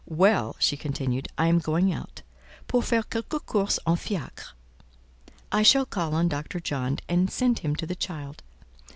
"Well," she continued, "I am going out, pour faire quelques courses en fiacre. I shall call on Dr. John, and send him to the child.